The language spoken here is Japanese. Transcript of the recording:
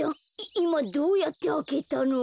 いまどうやってあけたの？